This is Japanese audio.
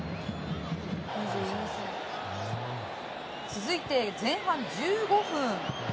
続いて前半１５分。